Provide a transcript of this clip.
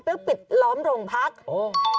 เพื่อปิดล้อมโรงพักโอ้